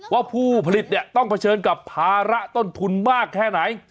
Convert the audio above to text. ว่าผู้ผลิตเนี่ยต้องเผชิญกับภาระต้นทุนมากแค่ไหน